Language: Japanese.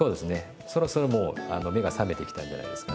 そろそろもう目が覚めてきたんじゃないですかね。